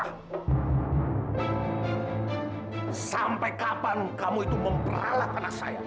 sampai kapan kamu itu memperalahkan saya